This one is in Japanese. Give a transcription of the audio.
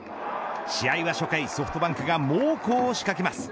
試合は初回ソフトバンクが猛攻を仕掛けます。